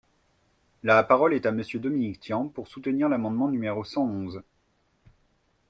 La parole est à Monsieur Dominique Tian, pour soutenir l’amendement numéro cent onze.